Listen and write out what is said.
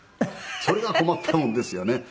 それが困ったもんですよね。